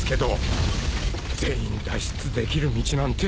全員脱出できる道なんて。